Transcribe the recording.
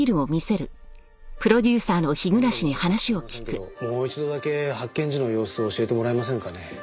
何度もすみませんけどもう一度だけ発見時の様子を教えてもらえませんかね？